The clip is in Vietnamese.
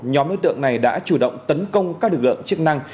nhóm đối tượng này đã chủ động tấn công các lực lượng chức năng